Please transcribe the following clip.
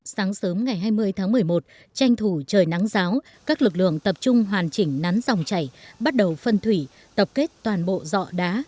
sáng sớm ngày hai mươi tháng một mươi một tranh thủ trời nắng giáo các lực lượng tập trung hoàn chỉnh nắn dòng chảy bắt đầu phân thủy tập kết toàn bộ dọ đá